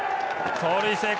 盗塁成功。